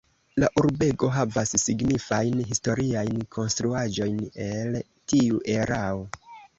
La urbego havas signifajn historiajn konstruaĵojn el tiu erao.